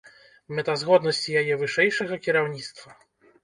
Мэтазгоднасці яе вышэйшага кіраўніцтва.